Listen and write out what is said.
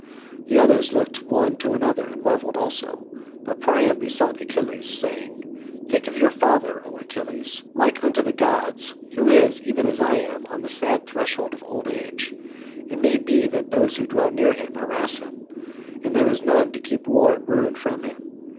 The others looked one to another and marvelled also, but Priam besought Achilles saying, "Think of your father, O Achilles like unto the gods, who is such even as I am, on the sad threshold of old age. It may be that those who dwell near him harass him, and there is none to keep war and ruin from him.